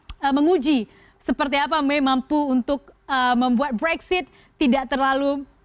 untuk menguji seperti apa may mampu untuk membuat brexit tidak terlalu